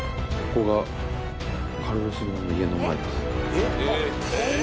えっ。